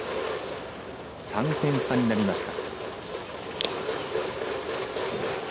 ３点差になりました。